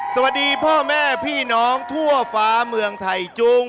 สวัสดีพ่อแม่พี่น้องทั่วฟ้าเมืองไทยจุง